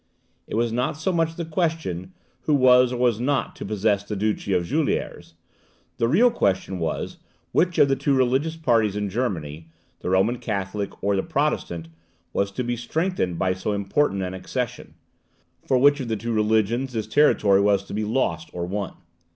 It was not so much the question, who was or was not to possess the Duchy of Juliers; the real question was, which of the two religious parties in Germany, the Roman Catholic or the Protestant, was to be strengthened by so important an accession for which of the two RELIGIONS this territory was to be lost or won.